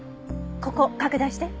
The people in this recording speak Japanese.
ここ拡大して。